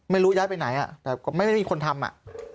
ไม่รู้ย้ายไปไหนแต่ก็ไม่มีคนทำอ่ะ